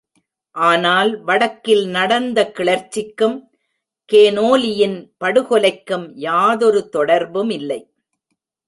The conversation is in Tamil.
ஆனால் வடக்கில் நடந்த கிளர்ச்சிக்கும் கேனோலியின் படுகொலைக்கும் யாதொரு தொடர்புமில்லை.